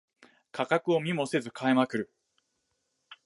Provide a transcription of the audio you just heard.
価格を見もせず買いまくる